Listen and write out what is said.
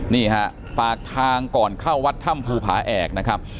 นี่ฮะปากทางก่อนเข้าวัดถ้ำภูผาแอกนะครับ